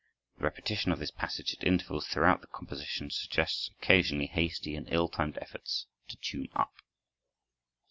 The repetition of this passage at intervals throughout the composition suggests occasional hasty and ill timed efforts to tune up.